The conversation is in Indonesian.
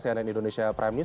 saya anand indonesia prime news